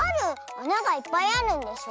あながいっぱいあるんでしょ。